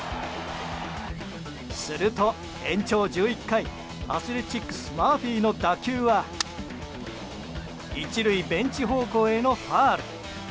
すると、延長１１回アスレチックスマーフィーの打球は１塁ベンチ方向へのファウル。